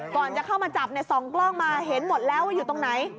ก่อนจะเข้ามาจับส่องกล้องมาเห็นหมดแล้วว่าอยู่ตรงไหน